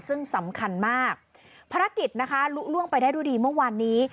ซึ่งสำคัญมากภารกิจนะคะลุล่วงไปได้ด้วยดีเมื่อวานนี้